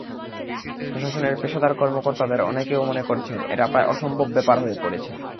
প্রশাসনের পেশাদার কর্মকর্তাদের অনেকেও মনে করছেন, এটা প্রায় অসম্ভব ব্যাপার হয়ে পড়েছে।